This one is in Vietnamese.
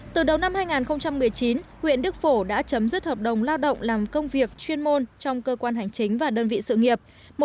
từ đầu năm hai nghìn một mươi chín huyện đức phổ đã chấm dứt hợp đồng lao động làm công việc chuyên môn trong cơ quan hành chính và đơn vị sự nghiệp